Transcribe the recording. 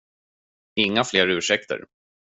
Inga fler ursäkter.